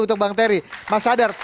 untuk bang terry mas sadar